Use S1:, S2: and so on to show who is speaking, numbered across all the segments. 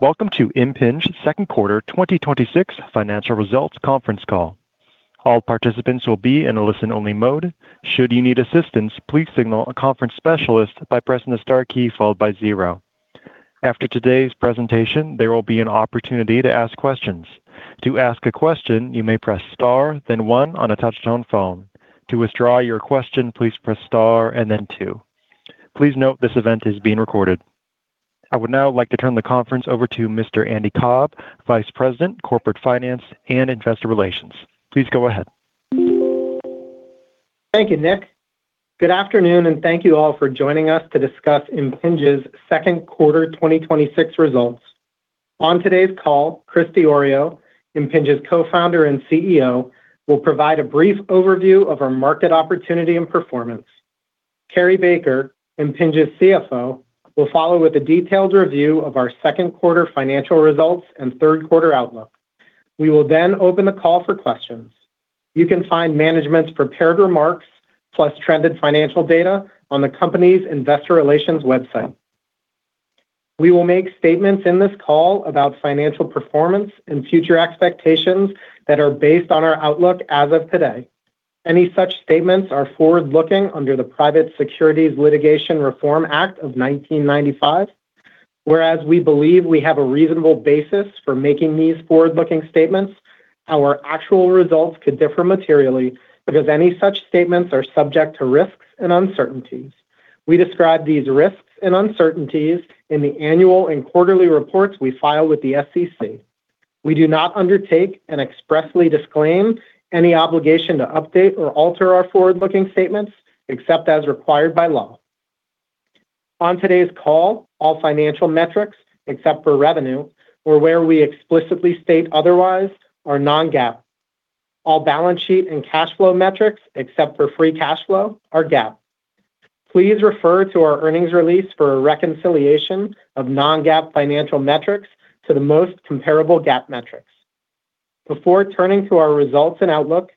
S1: Welcome to Impinj's second quarter 2026 financial results conference call. All participants will be in a listen-only mode. Should you need assistance, please signal a conference specialist by pressing the star key followed by zero. After today's presentation, there will be an opportunity to ask questions. To ask a question, you may press star then one on a touch-tone phone. To withdraw your question, please press star and then two. Please note this event is being recorded. I would now like to turn the conference over to Mr. Andy Cobb, Vice President, Corporate Finance and Investor Relations. Please go ahead.
S2: Thank you, Nick. Good afternoon, and thank you all for joining us to discuss Impinj's second quarter 2026 results. On today's call, Chris Diorio, Impinj's Co-Founder and CEO, will provide a brief overview of our market opportunity and performance. Cary Baker, Impinj's CFO, will follow with a detailed review of our second quarter financial results and third quarter outlook. We will then open the call for questions. You can find management's prepared remarks plus trended financial data on the company's Investor Relations website. We will make statements in this call about financial performance and future expectations that are based on our outlook as of today. Any such statements are forward-looking under the Private Securities Litigation Reform Act of 1995. We believe we have a reasonable basis for making these forward-looking statements, our actual results could differ materially because any such statements are subject to risks and uncertainties. We describe these risks and uncertainties in the annual and quarterly reports we file with the SEC. We do not undertake and expressly disclaim any obligation to update or alter our forward-looking statements except as required by law. On today's call, all financial metrics, except for revenue, or where we explicitly state otherwise, are non-GAAP. All balance sheet and cash flow metrics, except for free cash flow, are GAAP. Please refer to our earnings release for a reconciliation of non-GAAP financial metrics to the most comparable GAAP metrics. Before turning to our results and outlook,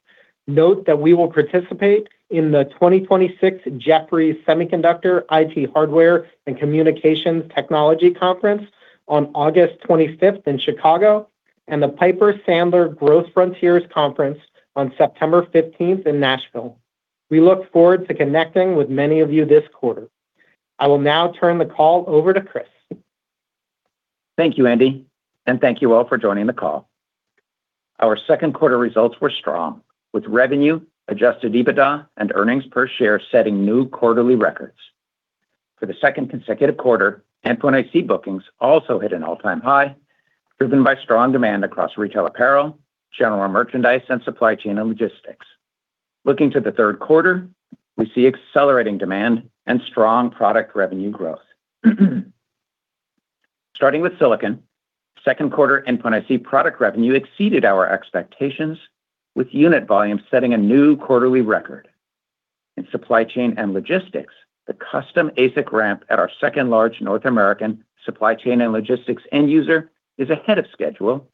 S2: note that we will participate in the 2026 Jefferies Semiconductor, IT Hardware & Communications Technology Conference on August 25th in Chicago and the Piper Sandler Growth Frontiers Conference on September 15th in Nashville. We look forward to connecting with many of you this quarter. I will now turn the call over to Chris.
S3: Thank you, Andy, and thank you all for joining the call. Our second quarter results were strong, with revenue, adjusted EBITDA, and earnings per share setting new quarterly records. For the second consecutive quarter, Endpoint IC bookings also hit an all-time high, driven by strong demand across retail apparel, general merchandise, and supply chain and logistics. Looking to the third quarter, we see accelerating demand and strong product revenue growth. Starting with silicon, second quarter Endpoint IC product revenue exceeded our expectations, with unit volume setting a new quarterly record. In supply chain and logistics, the custom ASIC ramp at our second-large North American supply chain and logistics end user is ahead of schedule,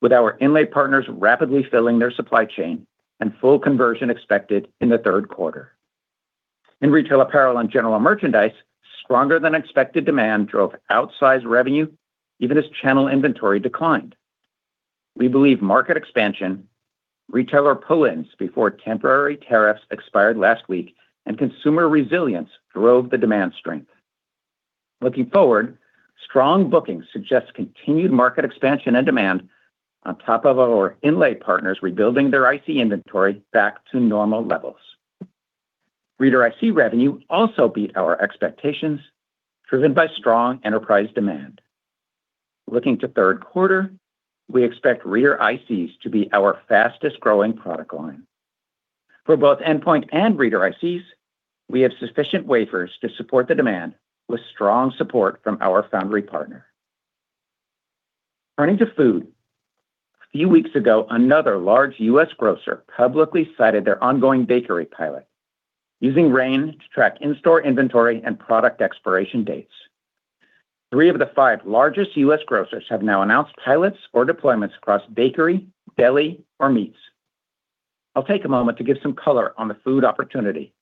S3: with our inlay partners rapidly filling their supply chain and full conversion expected in the third quarter. In retail apparel and general merchandise, stronger than expected demand drove outsized revenue even as channel inventory declined. We believe market expansion, retailer pull-ins before temporary tariffs expired last week, and consumer resilience drove the demand strength. Looking forward, strong bookings suggest continued market expansion and demand on top of our inlay partners rebuilding their IC inventory back to normal levels. Reader IC revenue also beat our expectations, driven by strong enterprise demand. Looking to third quarter, we expect Reader ICs to be our fastest-growing product line. For both Endpoint and Reader ICs, we have sufficient wafers to support the demand with strong support from our foundry partner. Turning to food. A few weeks ago, another large U.S. grocer publicly cited their ongoing bakery pilot using RAIN to track in-store inventory and product expiration dates. Three of the five largest U.S. grocers have now announced pilots or deployments across bakery, deli, or meats. I'll take a moment to give some color on the food opportunity.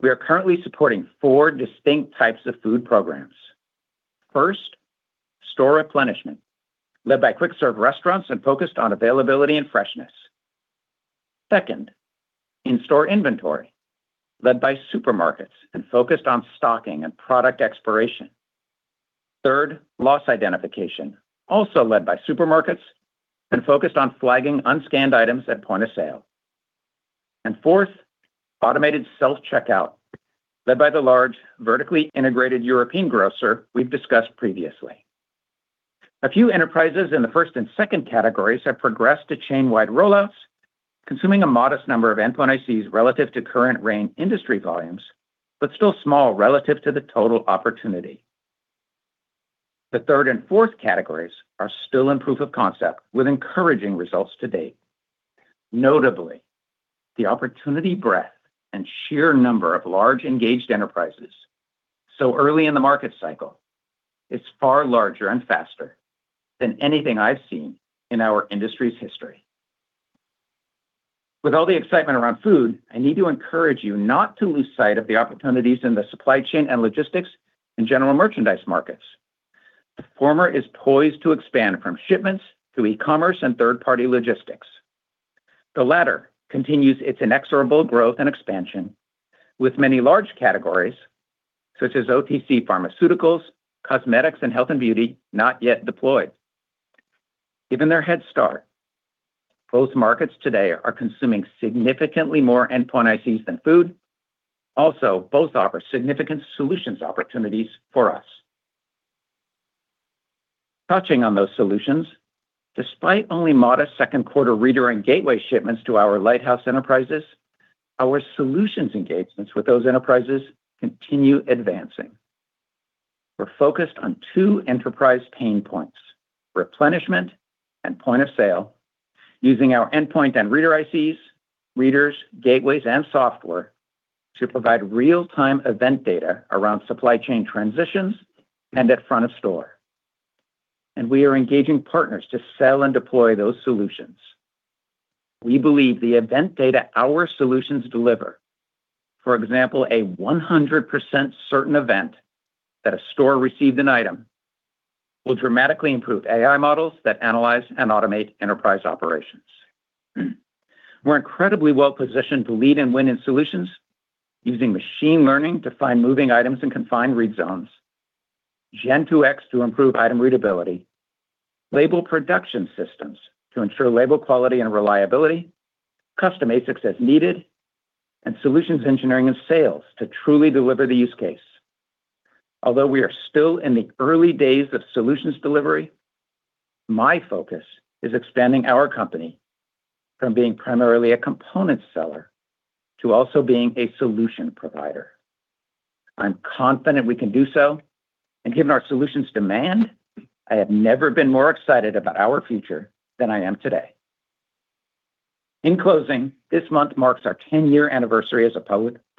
S3: We are currently supporting four distinct types of food programs. First, store replenishment, led by quick-serve restaurants, and focused on availability and freshness. Second, in-store inventory, led by supermarkets, and focused on stocking and product expiration. Third, loss identification, also led by supermarkets, and focused on flagging unscanned items at point of sale. Fourth, automated self-checkout, led by the large, vertically integrated European grocer we've discussed previously. A few enterprises in the first and second categories have progressed to chain-wide rollouts, consuming a modest number of Endpoint ICs relative to current RAIN industry volumes, but still small relative to the total opportunity. The third and fourth categories are still in proof of concept with encouraging results to date. Notably, the opportunity breadth and sheer number of large engaged enterprises so early in the market cycle is far larger and faster than anything I've seen in our industry's history. With all the excitement around food, I need to encourage you not to lose sight of the opportunities in the supply chain and logistics and general merchandise markets. The former is poised to expand from shipments to e-commerce and third-party logistics. The latter continues its inexorable growth and expansion with many large categories such as OTC pharmaceuticals, cosmetics, and health and beauty not yet deployed. Given their head start, both markets today are consuming significantly more Endpoint ICs than food. Both offer significant solutions opportunities for us. Touching on those solutions, despite only modest second quarter reader and gateway shipments to our lighthouse enterprises, our solutions engagements with those enterprises continue advancing. We're focused on two enterprise pain points, replenishment and point of sale, using our Endpoint and Reader ICs, readers, gateways, and software to provide real-time event data around supply chain transitions and at front of store. We are engaging partners to sell and deploy those solutions. We believe the event data our solutions deliver, for example, a 100% certain event that a store received an item, will dramatically improve AI models that analyze and automate enterprise operations. We're incredibly well positioned to lead and win in solutions, using machine learning to find moving items in confined read zones, Gen2X to improve item readability, label production systems to ensure label quality and reliability, custom ASICs as needed, and solutions engineering and sales to truly deliver the use case. Although we are still in the early days of solutions delivery, my focus is expanding our company from being primarily a component seller to also being a solution provider. I am confident we can do so, and given our solutions demand, I have never been more excited about our future than I am today. In closing, this month marks our 10-year anniversary as a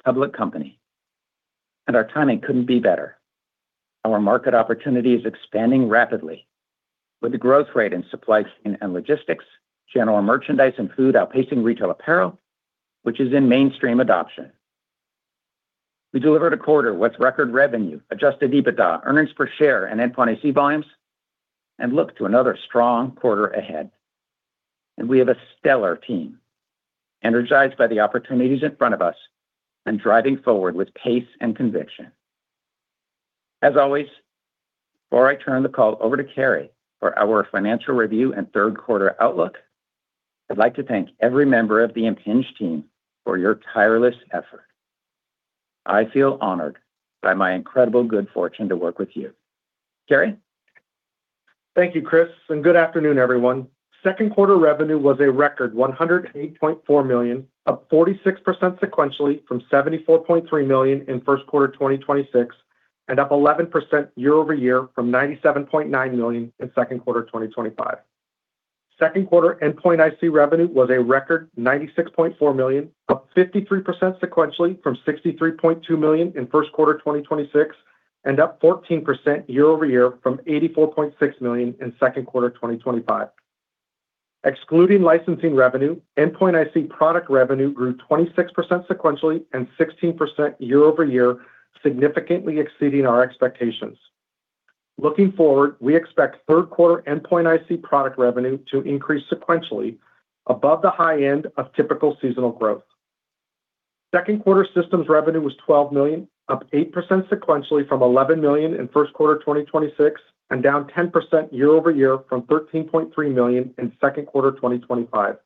S3: public company, and our timing couldn't be better. Our market opportunity is expanding rapidly with the growth rate in supply chain and logistics, general merchandise, and food outpacing retail apparel, which is in mainstream adoption. We delivered a quarter with record revenue, adjusted EBITDA, earnings per share, and Endpoint IC volumes, and look to another strong quarter ahead. We have a stellar team energized by the opportunities in front of us and driving forward with pace and conviction. As always, before I turn the call over to Cary for our financial review and third quarter outlook, I would like to thank every member of the Impinj team for your tireless effort. I feel honored by my incredible good fortune to work with you. Cary?
S4: Thank you, Chris, good afternoon, everyone. Second quarter revenue was a record $108.4 million, up 46% sequentially from $74.3 million in first quarter 2026, up 11% year-over-year from $97.9 million in second quarter 2025. Second quarter Endpoint IC revenue was a record $96.4 million, up 53% sequentially from $63.2 million in first quarter 2026, up 14% year-over-year from $84.6 million in second quarter 2025. Excluding licensing revenue, Endpoint IC product revenue grew 26% sequentially and 16% year-over-year, significantly exceeding our expectations. Looking forward, we expect third quarter Endpoint IC product revenue to increase sequentially above the high end of typical seasonal growth. Second quarter systems revenue was $12 million, up 8% sequentially from $11 million in first quarter 2026, down 10% year-over-year from $13.3 million in second quarter 2025.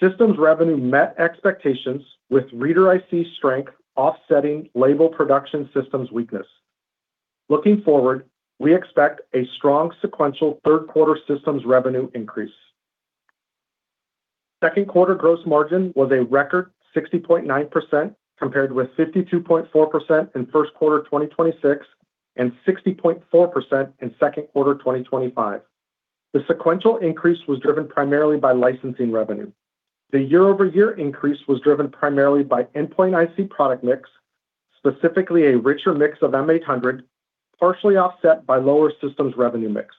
S4: Systems revenue met expectations with Reader IC strength offsetting label production systems weakness. Looking forward, we expect a strong sequential third quarter systems revenue increase. Second quarter gross margin was a record 60.9%, compared with 52.4% in first quarter 2026 and 60.4% in second quarter 2025. The sequential increase was driven primarily by licensing revenue. The year-over-year increase was driven primarily by Endpoint IC product mix, specifically a richer mix of Impinj M800, partially offset by lower systems revenue mix.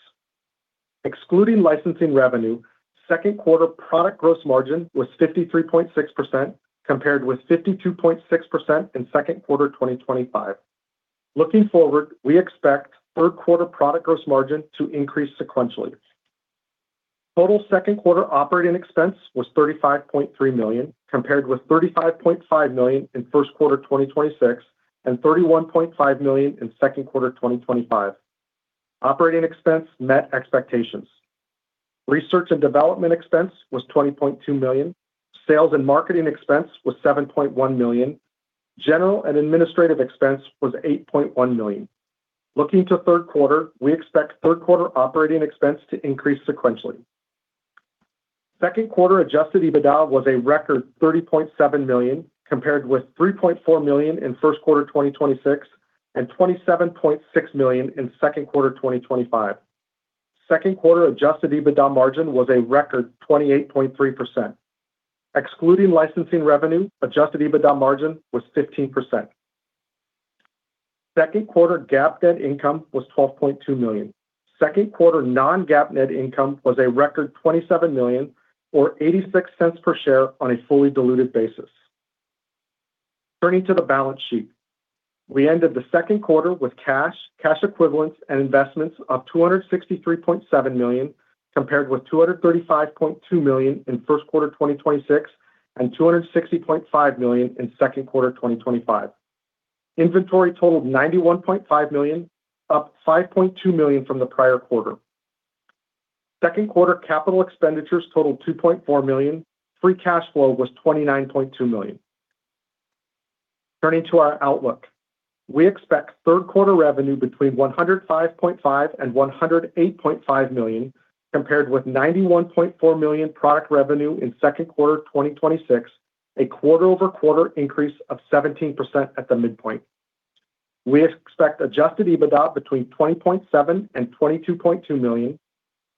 S4: Excluding licensing revenue, second quarter product gross margin was 53.6%, compared with 52.6% in second quarter 2025. Looking forward, we expect third quarter product gross margin to increase sequentially. Total second quarter operating expense was $35.3 million, compared with $35.5 million in first quarter 2026 and $31.5 million in second quarter 2025. Operating expense met expectations. Research and development expense was $20.2 million. Sales and marketing expense was $7.1 million. General and administrative expense was $8.1 million. Looking to third quarter, we expect third quarter operating expense to increase sequentially. Second quarter adjusted EBITDA was a record $30.7 million, compared with $3.4 million in first quarter 2026 and $27.6 million in second quarter 2025. Second quarter adjusted EBITDA margin was a record 28.3%. Excluding licensing revenue, adjusted EBITDA margin was 15%. Second quarter GAAP net income was $12.2 million. Second quarter non-GAAP net income was a record $27 million, or $0.86 per share on a fully diluted basis. Turning to the balance sheet. We ended the second quarter with cash equivalents, and investments of $263.7 million, compared with $235.2 million in first quarter 2026 and $260.5 million in second quarter 2025. Inventory totaled $91.5 million, up $5.2 million from the prior quarter. Second quarter capital expenditures totaled $2.4 million. Free cash flow was $29.2 million. Turning to our outlook, we expect third quarter revenue between $105.5 million-$108.5 million, compared with $91.4 million product revenue in second quarter 2026, a quarter-over-quarter increase of 17% at the midpoint. We expect adjusted EBITDA between $20.7 million-$22.2 million.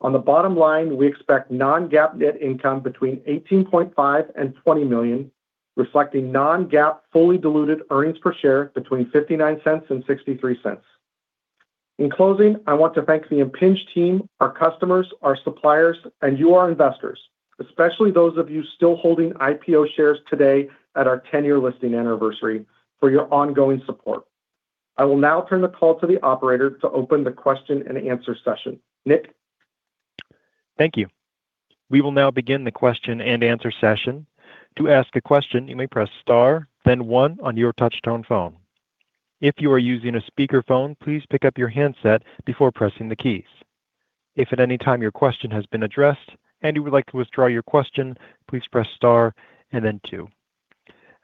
S4: On the bottom line, we expect non-GAAP net income between $18.5 million-$20 million, reflecting non-GAAP fully diluted earnings per share between $0.59-$0.63. In closing, I want to thank the Impinj team, our customers, our suppliers, and you, our investors, especially those of you still holding IPO shares today at our 10-year listing anniversary, for your ongoing support. I will now turn the call to the operator to open the question and answer session. Nick?
S1: Thank you. We will now begin the question and answer session. To ask a question, you may press star then one on your touch-tone phone. If you are using a speakerphone, please pick up your handset before pressing the keys. If at any time your question has been addressed and you would like to withdraw your question, please press star and then two.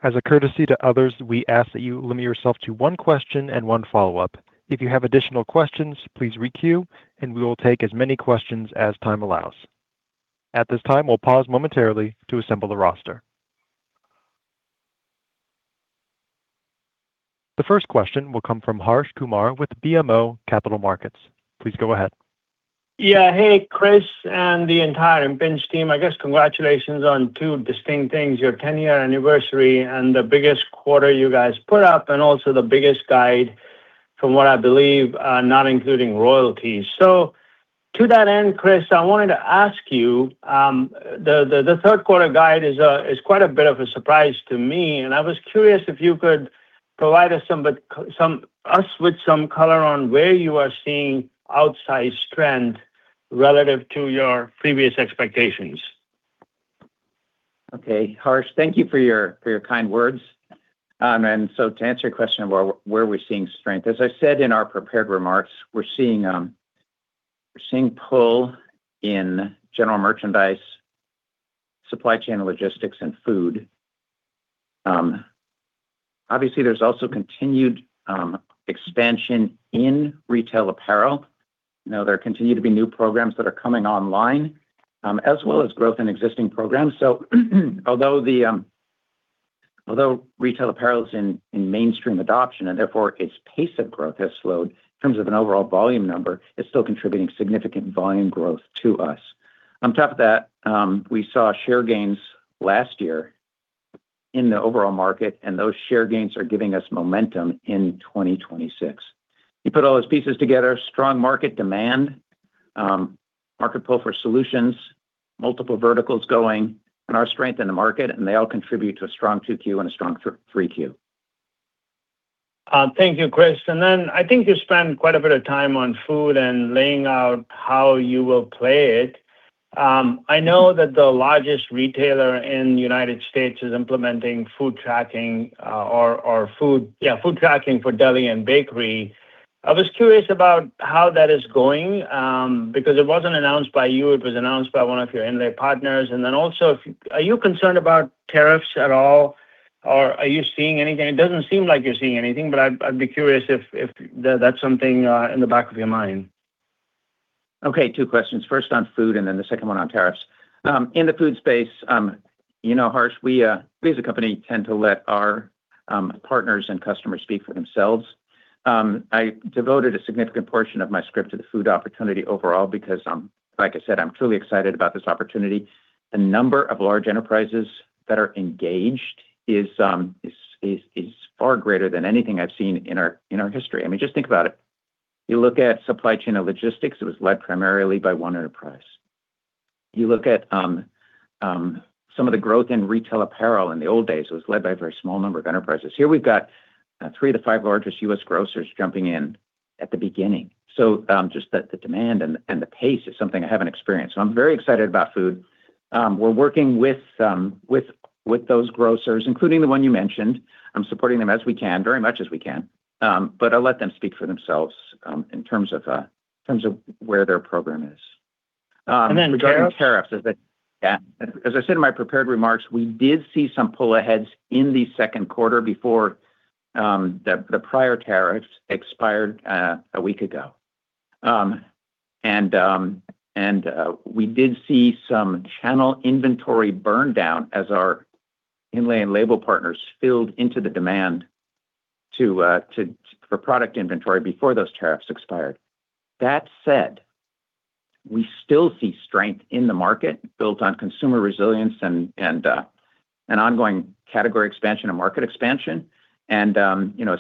S1: As a courtesy to others, we ask that you limit yourself to one question and one follow-up. If you have additional questions, please re-queue, and we will take as many questions as time allows. At this time, we'll pause momentarily to assemble the roster. The first question will come from Harsh Kumar with BMO Capital Markets. Please go ahead.
S5: Hey, Chris, and the entire Impinj team. I guess congratulations on two distinct things, your 10-year anniversary and the biggest quarter you guys put up, and also the biggest guide from what I believe, not including royalties. To that end, Chris, I wanted to ask you, the third quarter guide is quite a bit of a surprise to me, and I was curious if you could provide us with some color on where you are seeing outsized trend relative to your previous expectations.
S3: Okay, Harsh, thank you for your kind words. To answer your question about where we're seeing strength, as I said in our prepared remarks, we're seeing pull in general merchandise, supply chain logistics, and food. Obviously, there's also continued expansion in retail apparel. There continue to be new programs that are coming online, as well as growth in existing programs. Although retail apparel is in mainstream adoption, and therefore its pace of growth has slowed, in terms of an overall volume number, it's still contributing significant volume growth to us. On top of that, we saw share gains last year in the overall market, and those share gains are giving us momentum in 2026. You put all those pieces together, strong market demand, market pull for solutions, multiple verticals going, and our strength in the market, and they all contribute to a strong 2Q and a strong 3Q.
S5: Thank you, Chris. I think you spent quite a bit of time on food and laying out how you will play it. I know that the largest retailer in the U.S. is implementing food tracking for deli and bakery. I was curious about how that is going, because it wasn't announced by you, it was announced by one of your inlay partners. Also, are you concerned about tariffs at all, or are you seeing anything? It doesn't seem like you're seeing anything, but I'd be curious if that's something in the back of your mind.
S3: Okay, two questions. First on food, the second one on tariffs. In the food space, Harsh, we as a company tend to let our partners and customers speak for themselves. I devoted a significant portion of my script to the food opportunity overall because, like I said, I'm truly excited about this opportunity. The number of large enterprises that are engaged is far greater than anything I've seen in our history. I mean, just think about it. You look at supply chain and logistics, it was led primarily by one enterprise. You look at some of the growth in retail apparel in the old days, it was led by a very small number of enterprises. Here we've got three of the five largest U.S. grocers jumping in at the beginning. Just the demand and the pace is something I haven't experienced. I'm very excited about food. We're working with those grocers, including the one you mentioned. I'm supporting them as we can, very much as we can. I'll let them speak for themselves, in terms of where their program is.
S5: Regarding tariffs?
S3: Regarding tariffs. As I said in my prepared remarks, we did see some pull aheads in the second quarter before the prior tariffs expired a week ago. We did see some channel inventory burn down as our inlay and label partners filled into the demand for product inventory before those tariffs expired. That said. We still see strength in the market built on consumer resilience and an ongoing category expansion and market expansion. As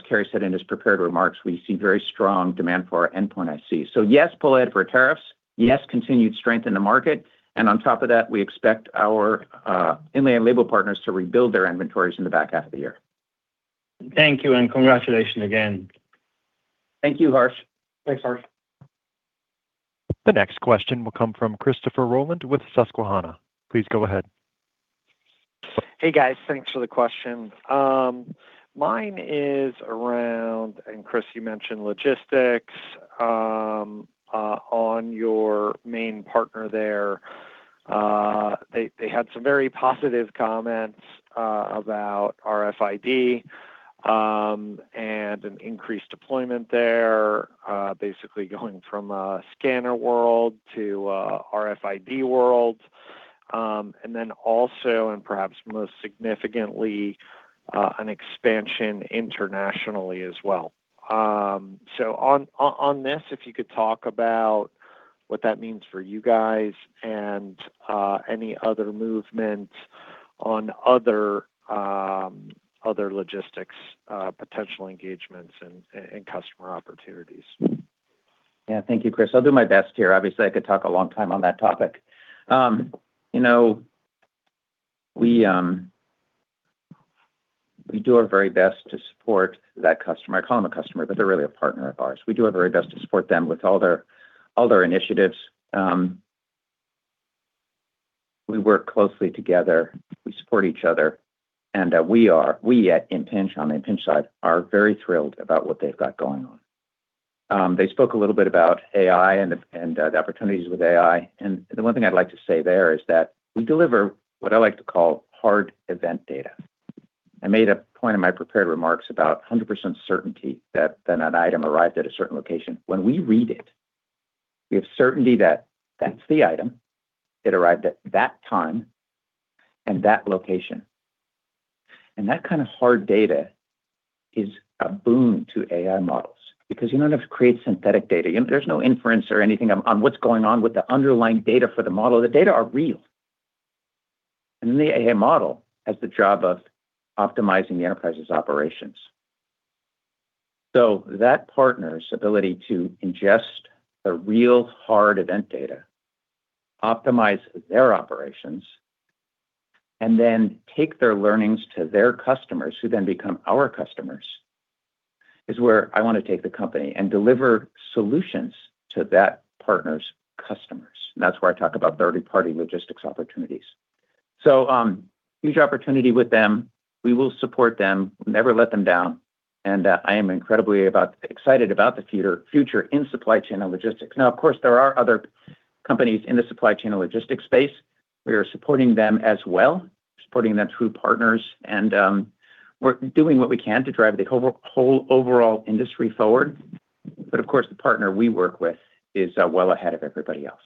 S3: Cary said in his prepared remarks, we see very strong demand for our Endpoint IC. Yes, pull-ahead for tariffs. Yes, continued strength in the market. On top of that, we expect our inlay and label partners to rebuild their inventories in the back half of the year.
S5: Thank you, and congratulations again.
S3: Thank you, Harsh.
S4: Thanks, Harsh.
S1: The next question will come from Christopher Rolland with Susquehanna. Please go ahead.
S6: Hey, guys. Thanks for the questions. Mine is around, Chris, you mentioned logistics, on your main partner there. They had some very positive comments about RFID, and an increased deployment there, basically going from a scanner world to a RFID world. Perhaps most significantly, an expansion internationally as well. On this, if you could talk about what that means for you guys and any other movement on other logistics potential engagements and customer opportunities.
S3: Yeah. Thank you, Chris. I'll do my best here. Obviously, I could talk a long time on that topic. We do our very best to support that customer. I call them a customer, but they're really a partner of ours. We do our very best to support them with all their initiatives. We work closely together. We support each other, and we at Impinj, on the Impinj side, are very thrilled about what they've got going on. They spoke a little bit about AI and the opportunities with AI, and the one thing I'd like to say there is that we deliver what I like to call hard event data. I made a point in my prepared remarks about 100% certainty that an item arrived at a certain location. When we read it, we have certainty that that's the item, it arrived at that time, and that location. That kind of hard data is a boon to AI models, because you don't have to create synthetic data. There's no inference or anything on what's going on with the underlying data for the model. The data are real. The AI model has the job of optimizing the enterprise's operations. That partner's ability to ingest the real hard event data, optimize their operations, and then take their learnings to their customers, who then become our customers, is where I want to take the company and deliver solutions to that partner's customers. That's where I talk about third-party logistics opportunities. Huge opportunity with them. We will support them, never let them down, and I am incredibly excited about the future in supply chain and logistics. Now, of course, there are other companies in the supply chain and logistics space. We are supporting them as well, supporting them through partners, and we're doing what we can to drive the whole overall industry forward. Of course, the partner we work with is well ahead of everybody else.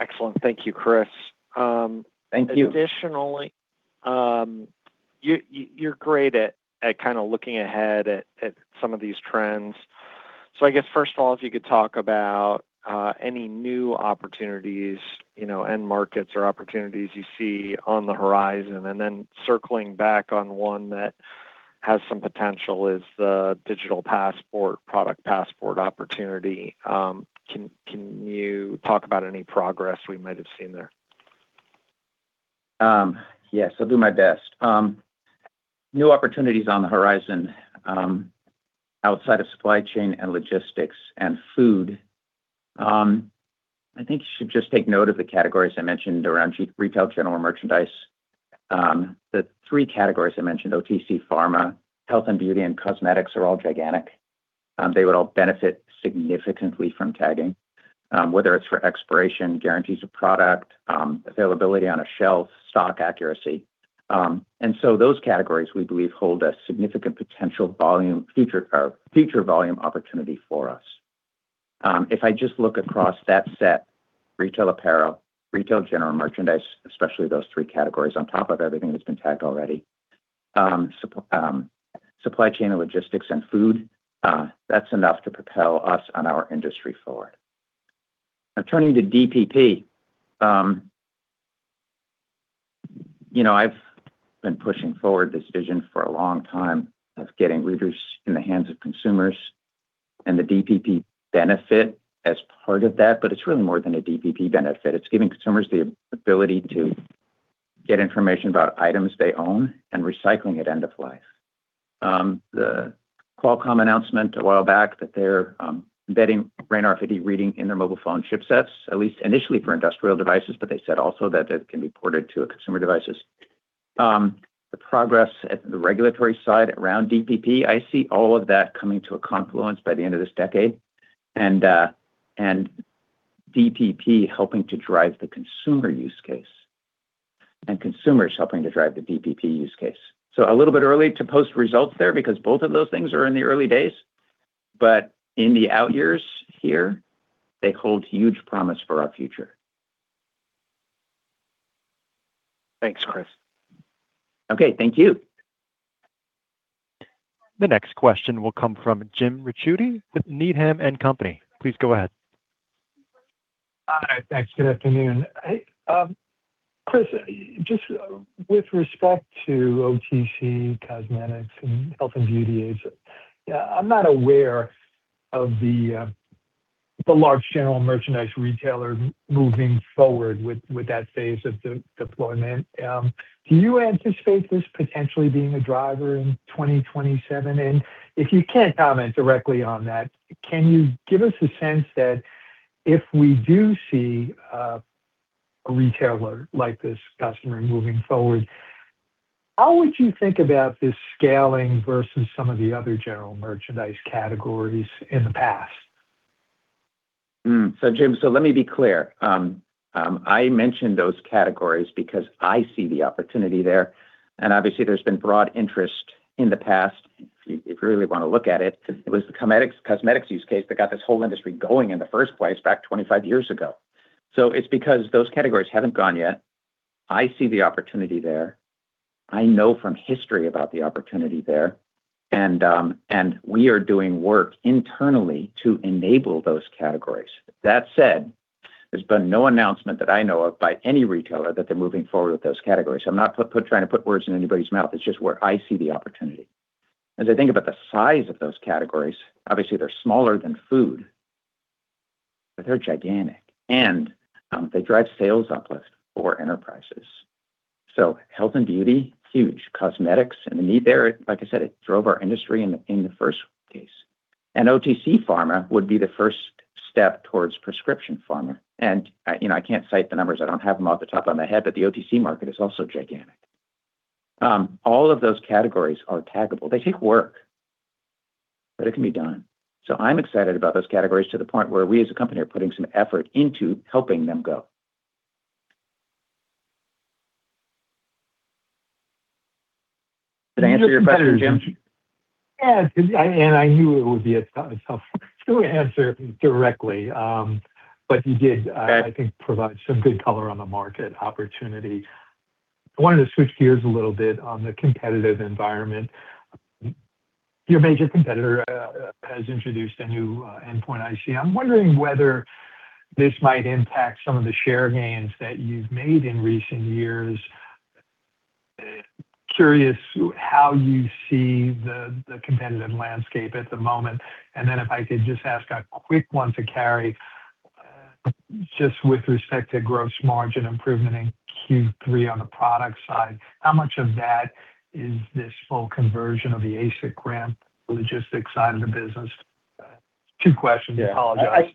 S6: Excellent. Thank you, Chris.
S3: Thank you.
S6: Additionally, you're great at kind of looking ahead at some of these trends. I guess first of all, if you could talk about any new opportunities, end markets or opportunities you see on the horizon. Circling back on one that has some potential is the digital passport, product passport opportunity. Can you talk about any progress we might have seen there?
S3: Yes, I'll do my best. New opportunities on the horizon, outside of supply chain and logistics and food. I think you should just take note of the categories I mentioned around retail general merchandise. The three categories I mentioned, OTC pharma, health and beauty, and cosmetics are all gigantic. They would all benefit significantly from tagging, whether it's for expiration, guarantees of product, availability on a shelf, stock accuracy. Those categories, we believe, hold a significant potential future volume opportunity for us. If I just look across that set, retail apparel, retail general merchandise, especially those three categories on top of everything that's been tagged already. Supply chain and logistics and food, that's enough to propel us and our industry forward. Turning to DPP, I've been pushing forward this vision for a long time of getting readers in the hands of consumers and the DPP benefit as part of that, but it's really more than a DPP benefit. It's giving consumers the ability to get information about items they own and recycling at end of life. The Qualcomm announcement a while back, that they're embedding RAIN RFID reading in their mobile phone chipsets, at least initially for industrial devices, but they said also that that can be ported to consumer devices. The progress at the regulatory side around DPP, I see all of that coming to a confluence by the end of this decade, and DPP helping to drive the consumer use case, and consumers helping to drive the DPP use case. A little bit early to post results there, because both of those things are in the early days. In the out years here, they hold huge promise for our future.
S6: Thanks, Chris.
S3: Okay, thank you.
S1: The next question will come from Jim Ricchiuti with Needham & Company. Please go ahead.
S7: Hi. Thanks. Good afternoon. Hey, Chris, just with respect to OTC cosmetics and health and beauty aids, I'm not aware of the large general merchandise retailer moving forward with that phase of the deployment. Do you anticipate this potentially being a driver in 2027? If you can't comment directly on that, can you give us a sense that if we do see a retailer like this customer moving forward, how would you think about this scaling versus some of the other general merchandise categories in the past?
S3: Jim, let me be clear. I mentioned those categories because I see the opportunity there, and obviously there's been broad interest in the past. If you really want to look at it was the cosmetics use case that got this whole industry going in the first place back 25 years ago. It's because those categories haven't gone yet. I see the opportunity there. I know from history about the opportunity there. We are doing work internally to enable those categories. That said, there's been no announcement that I know of by any retailer that they're moving forward with those categories. I'm not trying to put words in anybody's mouth, it's just where I see the opportunity. As I think about the size of those categories, obviously they're smaller than food, but they're gigantic. They drive sales uplift for enterprises. Health and beauty, huge. Cosmetics and the need there, like I said, it drove our industry in the first case. OTC pharma would be the first step towards prescription pharma. I can't cite the numbers, I don't have them off the top of my head, but the OTC market is also gigantic. All of those categories are taggable. They take work, but it can be done. I'm excited about those categories to the point where we as a company are putting some effort into helping them go. Did I answer your question, Jim?
S7: Yeah, I knew it would be a tough to answer directly. You did, I think, provide some good color on the market opportunity. I wanted to switch gears a little bit on the competitive environment. Your major competitor has introduced a new Endpoint IC. I'm wondering whether this might impact some of the share gains that you've made in recent years. Curious how you see the competitive landscape at the moment. Then if I could just ask a quick one to Cary, just with respect to gross margin improvement in Q3 on the product side, how much of that is this full conversion of the ASIC ramp, the logistics side of the business? Two questions.
S4: Yeah.
S7: I apologize.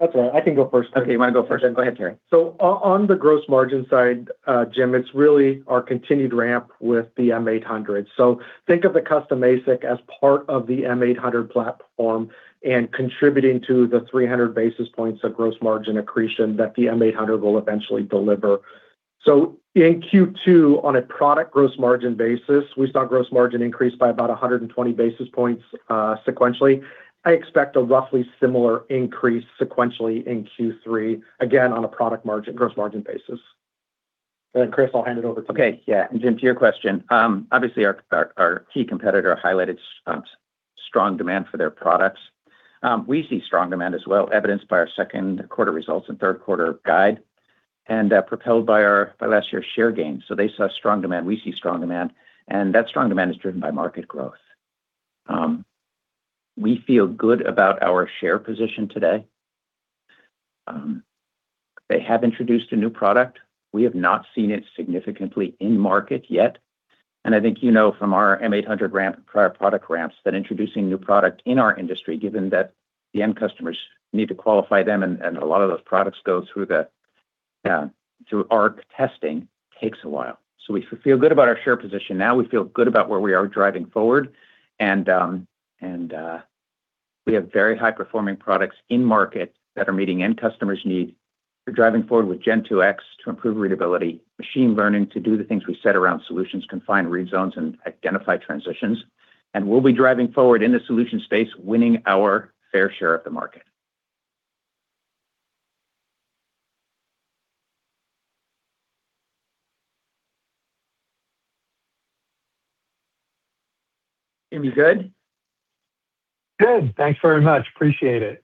S4: That's all right. I can go first.
S3: Okay. You want to go first? Go ahead, Cary.
S4: On the gross margin side, Jim, it's really our continued ramp with the Impinj M800. Think of the custom ASIC as part of the Impinj M800 platform and contributing to the 300 basis points of gross margin accretion that the Impinj M800 will eventually deliver. In Q2, on a product gross margin basis, we saw gross margin increase by about 120 basis points sequentially. I expect a roughly similar increase sequentially in Q3, again, on a product gross margin basis. Chris, I'll hand it over to you.
S3: Okay. Yeah. Jim, to your question, obviously our key competitor highlighted strong demand for their products. We see strong demand as well, evidenced by our second quarter results and third quarter guide, and propelled by last year's share gains. They saw strong demand, we see strong demand, and that strong demand is driven by market growth. We feel good about our share position today. They have introduced a new product. We have not seen it significantly in market yet, and I think you know from our Impinj M800 ramp and prior product ramps that introducing new product in our industry, given that the end customers need to qualify them and a lot of those products go through our testing, takes a while. We feel good about our share position. Now we feel good about where we are driving forward and we have very high performing products in market that are meeting end customers' need. We're driving forward with Gen2X to improve readability, machine learning to do the things we said around solutions, confine read zones, and identify transitions. We'll be driving forward in the solution space, winning our fair share of the market. Jim, you good?
S7: Good. Thanks very much. Appreciate it.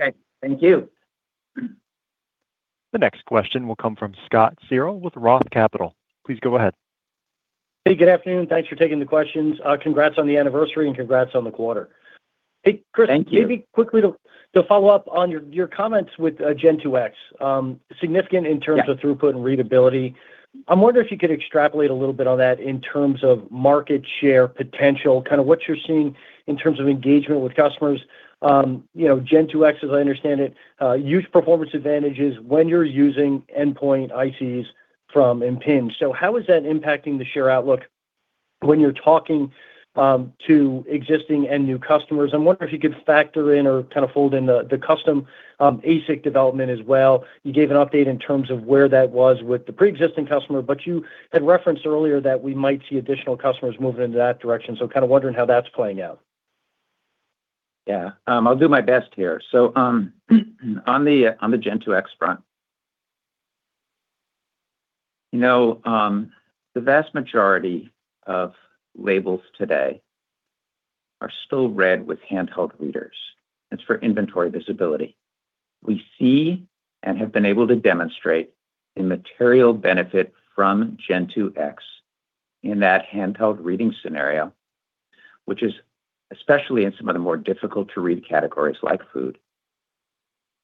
S3: Okay. Thank you.
S1: The next question will come from Scott Searle with Roth Capital. Please go ahead.
S8: Hey, good afternoon. Thanks for taking the questions. Congrats on the anniversary and congrats on the quarter.
S3: Thank you.
S8: Hey, Chris, maybe quickly to follow up on your comments with Gen2X, significant in terms-
S3: Yeah.
S8: Of throughput and readability. I'm wondering if you could extrapolate a little bit on that in terms of market share potential, kind of what you're seeing in terms of engagement with customers. Gen2X, as I understand it, huge performance advantages when you're using Endpoint ICs from Impinj. How is that impacting the share outlook when you're talking to existing and new customers? I'm wondering if you could factor in or kind of fold in the custom ASIC development as well. You gave an update in terms of where that was with the preexisting customer, but you had referenced earlier that we might see additional customers moving into that direction. Kind of wondering how that's playing out.
S3: Yeah. I'll do my best here. On the Gen2X front, the vast majority of labels today are still read with handheld readers. It's for inventory visibility. We see and have been able to demonstrate a material benefit from Gen2X in that handheld reading scenario, which is especially in some of the more difficult-to-read categories like food,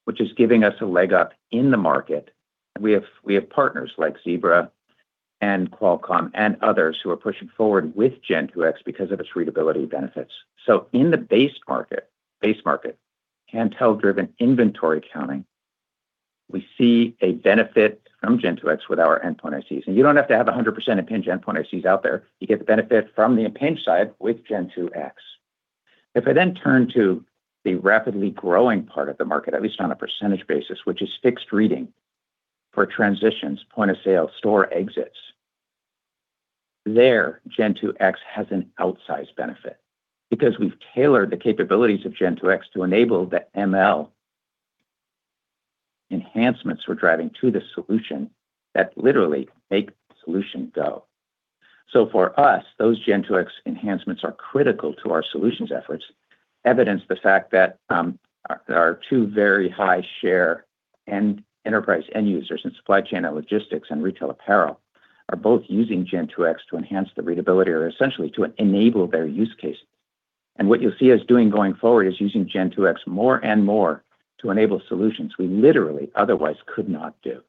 S3: which is giving us a leg up in the market. We have partners like Zebra and Qualcomm and others who are pushing forward with Gen2X because of its readability benefits. In the base market, handheld-driven inventory counting, we see a benefit from Gen2X with our Endpoint ICs. You don't have to have 100% of Impinj Endpoint ICs out there. You get the benefit from the Impinj side with Gen2X. If I turn to the rapidly growing part of the market, at least on a percentage basis, which is fixed reading for transitions, point-of-sale, store exits, there, Gen2X has an outsized benefit because we've tailored the capabilities of Gen2X to enable the ML enhancements we're driving to the solution that literally make the solution go. For us, those Gen2X enhancements are critical to our solutions efforts. Evidence the fact that our two very high share enterprise end users in supply chain and logistics and retail apparel are both using Gen2X to enhance the readability or essentially to enable their use case. What you'll see us doing going forward is using Gen2X more and more to enable solutions we literally otherwise could not do.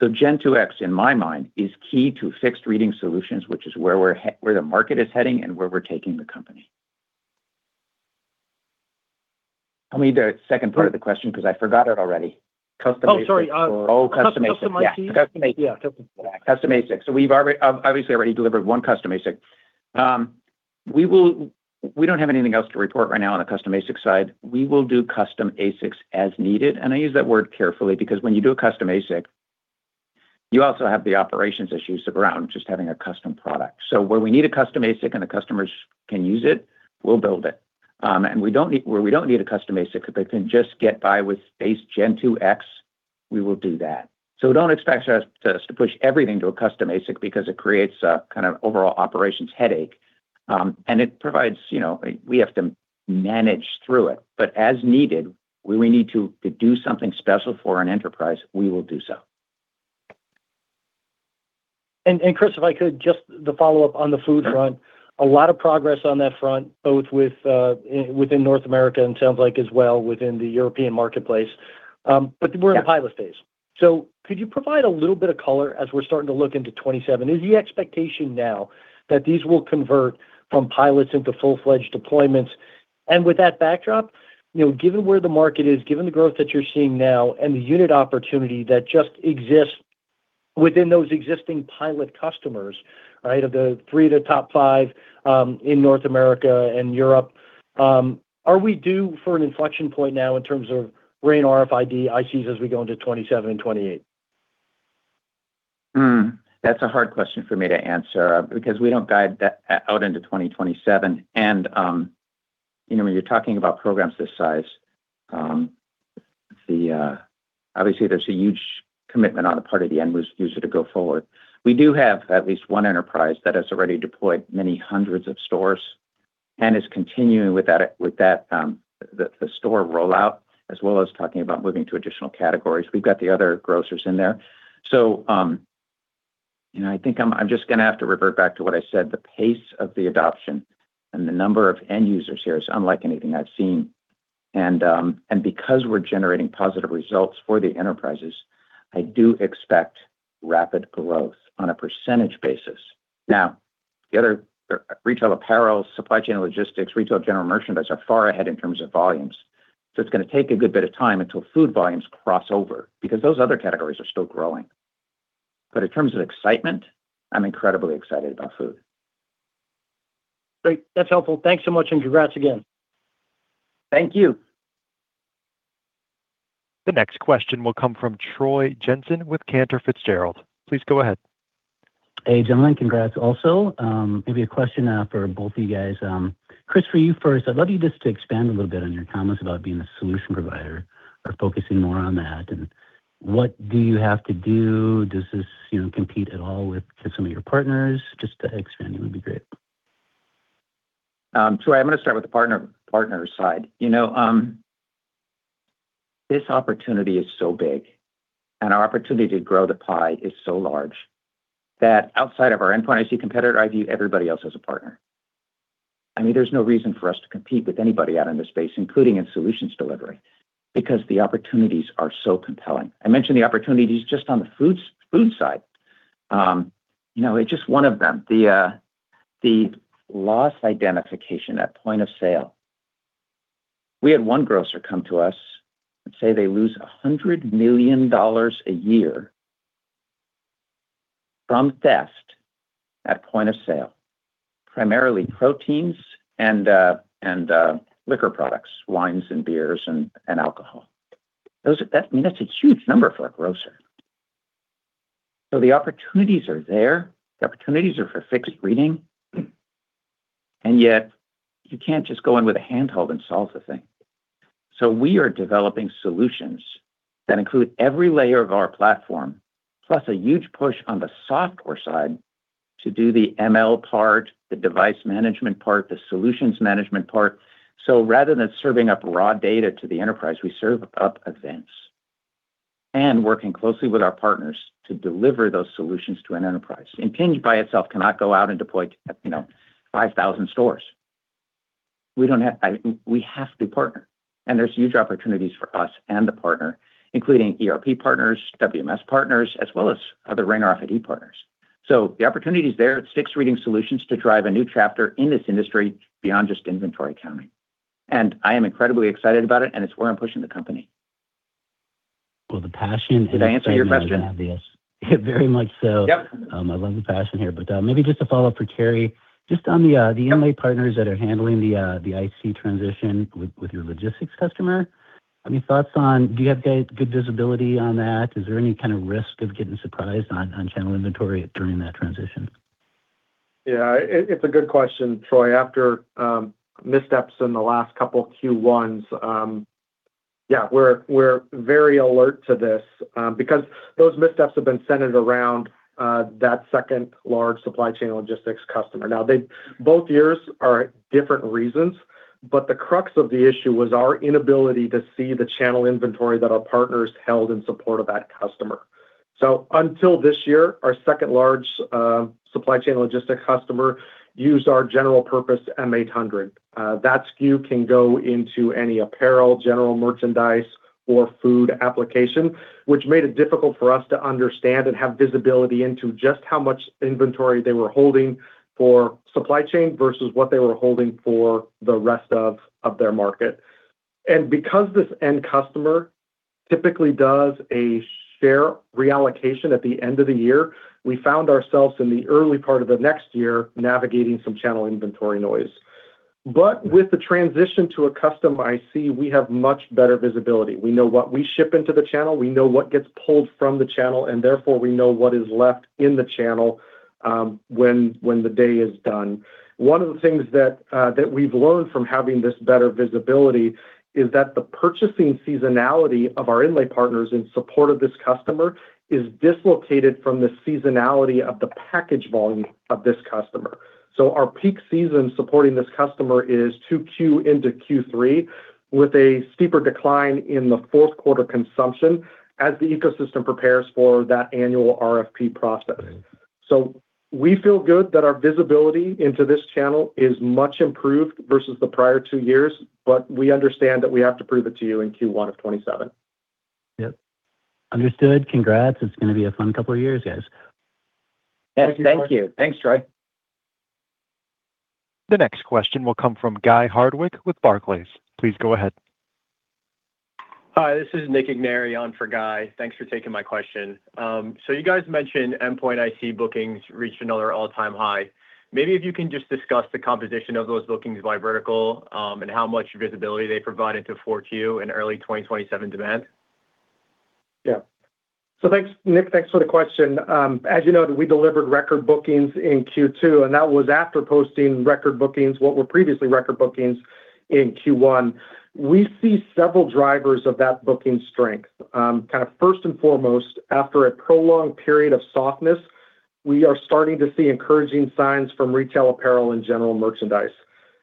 S3: Gen2X, in my mind, is key to fixed reading solutions, which is where the market is heading and where we're taking the company. Tell me the second part of the question because I forgot it already. Custom ASIC or-
S8: Oh, sorry.
S3: Oh, custom ASIC.
S8: Custom ICs?
S3: Custom ASIC.
S8: Yeah, custom.
S3: Yeah, custom ASIC. We've obviously already delivered one custom ASIC. We don't have anything else to report right now on the custom ASIC side. We will do custom ASICs as needed. I use that word carefully, because when you do a custom ASIC, you also have the operations issues around just having a custom product. Where we need a custom ASIC and the customers can use it, we'll build it. Where we don't need a custom ASIC because they can just get by with base Gen2X, we will do that. Don't expect us to push everything to a custom ASIC because it creates a kind of overall operations headache. We have to manage through it. As needed, where we need to do something special for an enterprise, we will do so.
S8: Chris, if I could just follow up on the food front.
S3: Sure.
S8: A lot of progress on that front, both within North America and sounds like as well within the European marketplace-
S3: Yeah.
S8: in the pilot phase. Could you provide a little bit of color as we're starting to look into 2027? Is the expectation now that these will convert from pilots into full-fledged deployments? With that backdrop, given where the market is, given the growth that you're seeing now, and the unit opportunity that just exists within those existing pilot customers, of the three of the top five in North America and Europe, are we due for an inflection point now in terms of RAIN RFID ICs as we go into 2027 and 2028?
S3: That's a hard question for me to answer, because we don't guide that out into 2027. When you're talking about programs this size, obviously there's a huge commitment on the part of the end user to go forward. We do have at least one enterprise that has already deployed many hundreds of stores and is continuing with the store rollout, as well as talking about moving to additional categories. We've got the other grocers in there. I think I'm just going to have to revert back to what I said, the pace of the adoption and the number of end users here is unlike anything I've seen. Because we're generating positive results for the enterprises, I do expect rapid growth on a percentage basis. The other retail apparel, supply chain logistics, retail general merchandise are far ahead in terms of volumes. It's going to take a good bit of time until food volumes cross over, because those other categories are still growing. In terms of excitement, I'm incredibly excited about food.
S8: Great. That's helpful. Thanks so much, and congrats again.
S3: Thank you.
S1: The next question will come from Troy Jensen with Cantor Fitzgerald. Please go ahead.
S9: Hey, gentlemen. Congrats also. Maybe a question now for both of you guys. Chris, for you first, I'd love you just to expand a little bit on your comments about being a solution provider or focusing more on that, and what do you have to do? Does this compete at all with some of your partners? Just to expand, it would be great.
S3: Troy, I'm going to start with the partners side. This opportunity is so big, our opportunity to grow the pie is so large that outside of our Endpoint IC competitor, I view everybody else as a partner. There's no reason for us to compete with anybody out in this space, including in solutions delivery, because the opportunities are so compelling. I mentioned the opportunities just on the food side. It's just one of them. The loss identification at point of sale. We had one grocer come to us and say they lose $100 million a year from theft at point of sale, primarily proteins and liquor products, wines and beers and alcohol. That's a huge number for a grocer. The opportunities are there. The opportunities are for fixed reading. Yet you can't just go in with a handheld and solve the thing. We are developing solutions that include every layer of our platform, plus a huge push on the software side to do the ML part, the device management part, the solutions management part. Rather than serving up raw data to the enterprise, we serve up events. Working closely with our partners to deliver those solutions to an enterprise. Impinj by itself cannot go out and deploy 5,000 stores. We have to partner, and there's huge opportunities for us and the partner, including ERP partners, WMS partners, as well as other RAIN RFID partners. The opportunity is there. It's fixed reading solutions to drive a new chapter in this industry beyond just inventory counting. I am incredibly excited about it, and it's where I'm pushing the company.
S9: Well, the passion.
S3: Did I answer your question?
S9: Very much so.
S3: Yep.
S9: I love the passion here, maybe just a follow-up for Cary, just on-
S3: Yeah.
S9: The inlay partners that are handling the IC transition with your logistics customer. Any thoughts on, do you have good visibility on that? Is there any kind of risk of getting surprised on channel inventory during that transition?
S4: Yeah, it's a good question, Troy. After missteps in the last couple Q1s, yeah, we're very alert to this. Those missteps have been centered around that second large supply chain logistics customer. Both years are different reasons, but the crux of the issue was our inability to see the channel inventory that our partners held in support of that customer. Until this year, our second-largest supply chain logistics customer used our general purpose Impinj M800. That SKU can go into any apparel, general merchandise, or food application, which made it difficult for us to understand and have visibility into just how much inventory they were holding for supply chain versus what they were holding for the rest of their market. Because this end customer typically does a share reallocation at the end of the year, we found ourselves in the early part of the next year navigating some channel inventory noise. With the transition to a custom IC, we have much better visibility. We know what we ship into the channel, we know what gets pulled from the channel, and therefore we know what is left in the channel when the day is done. One of the things that we've learned from having this better visibility is that the purchasing seasonality of our inlay partners in support of this customer is dislocated from the seasonality of the package volume of this customer. Our peak season supporting this customer is 2Q into Q3, with a steeper decline in the fourth quarter consumption as the ecosystem prepares for that annual RFP process. We feel good that our visibility into this channel is much improved versus the prior two years, but we understand that we have to prove it to you in Q1 of 2027.
S9: Yep. Understood. Congrats. It's going to be a fun couple of years, guys.
S3: Thank you. Thanks, Troy.
S1: The next question will come from Guy Hardwick with Barclays. Please go ahead.
S10: Hi, this is Nick Igneri on for Guy. Thanks for taking my question. You guys mentioned Endpoint IC bookings reached another all-time high. Maybe if you can just discuss the composition of those bookings by vertical, and how much visibility they provided to 4Q and early 2027 demand.
S4: Thanks, Nick. Thanks for the question. As you know, we delivered record bookings in Q2, and that was after posting what were previously record bookings in Q1. We see several drivers of that booking strength. Kind of first and foremost, after a prolonged period of softness, we are starting to see encouraging signs from retail apparel and general merchandise.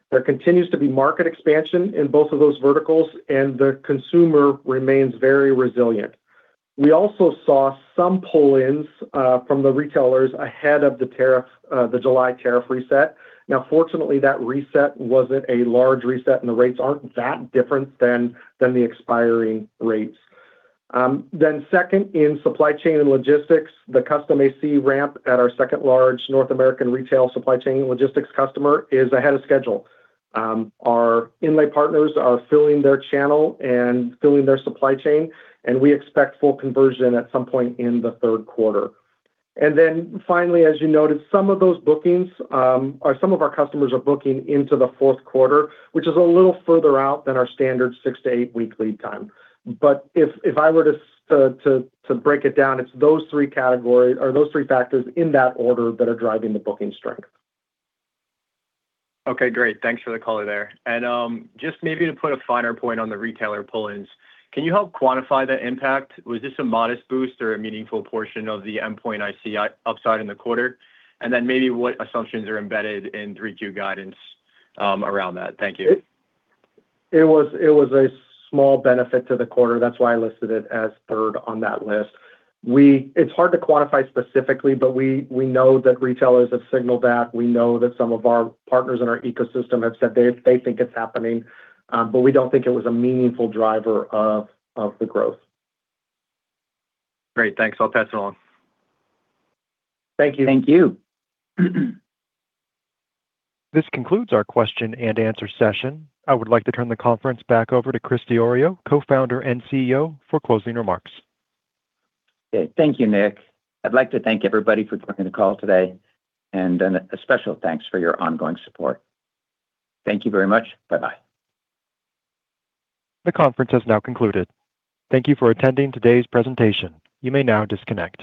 S4: There continues to be market expansion in both of those verticals, and the consumer remains very resilient. We also saw some pull-ins from the retailers ahead of the July tariff reset. Now, fortunately, that reset wasn't a large reset, and the rates aren't that different than the expiring rates. Second, in supply chain and logistics, the custom IC ramp at our second-largest North American retail supply chain logistics customer is ahead of schedule. Our inlay partners are filling their channel and filling their supply chain, and we expect full conversion at some point in the third quarter. Finally, as you noted, some of our customers are booking into the fourth quarter, which is a little further out than our standard six to eight-week lead time. If I were to break it down, it's those three factors in that order that are driving the booking strength.
S10: Okay, great. Thanks for the color there. Just maybe to put a finer point on the retailer pull-ins, can you help quantify the impact? Was this a modest boost or a meaningful portion of the Endpoint IC upside in the quarter? Maybe what assumptions are embedded in 3Q guidance around that? Thank you.
S4: It was a small benefit to the quarter. That's why I listed it as third on that list. It's hard to quantify specifically, but we know that retailers have signaled that. We know that some of our partners in our ecosystem have said they think it's happening. We don't think it was a meaningful driver of the growth.
S10: Great. Thanks. I'll pass it on.
S4: Thank you.
S3: Thank you.
S1: This concludes our question and answer session. I would like to turn the conference back over to Chris Diorio, Co-Founder and CEO, for closing remarks.
S3: Okay. Thank you, Nick. I'd like to thank everybody for joining the call today, a special thanks for your ongoing support. Thank you very much. Bye-bye.
S1: The conference has now concluded. Thank you for attending today's presentation. You may now disconnect.